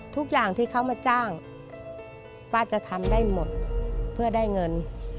ทุกอย่างที่เขามาจ้างป้าจะทำได้หมดเพื่อได้เงิน